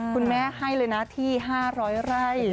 คุณแม่ให้เลยนะที่๕๐๐ไร่